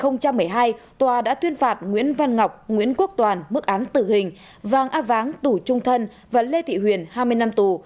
năm hai nghìn một mươi hai tòa đã tuyên phạt nguyễn văn ngọc nguyễn quốc toàn mức án tử hình vàng a váng tù trung thân và lê thị huyền hai mươi năm tù